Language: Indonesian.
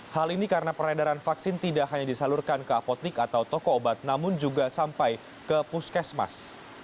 hal ini karena peredaran vaksin tidak hanya disalurkan ke apotik atau toko obat namun juga sampai ke puskesmas